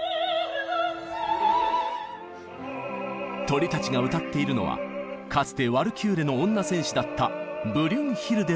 鳥たちが歌っているのはかつてワルキューレの女戦士だったブリュンヒルデのこと。